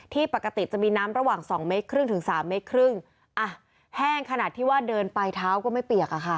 ที่ปกติจะมีน้ำระหว่าง๒๕๓๕เมตรแห้งขนาดที่ว่าเดินไปเท้าก็ไม่เปียกค่ะ